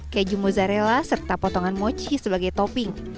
keju mozzarella serta potongan mochi sebagai topping